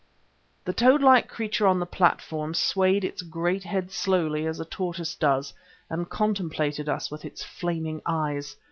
The toad like creature on the platform swayed its great head slowly as a tortoise does, and contemplated us with its flaming eyes.